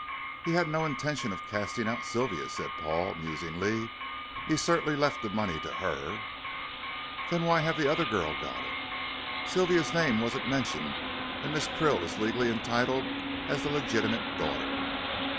"He had no intention of casting out Sylvia," said Paul, musingly; "he certainly left the money to her." "Then why 'ave that other got it?" "Sylvia's name wasn't mentioned, and Miss Krill is legally entitled as the legitimate daughter."